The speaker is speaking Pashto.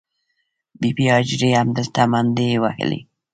بې بي هاجرې همدلته منډې وهلې.